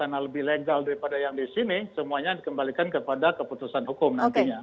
karena lebih legal daripada yang di sini semuanya dikembalikan kepada keputusan hukum nantinya